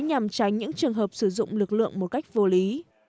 nhằm tránh những trường hợp sử dụng lực lượng một cách vô lý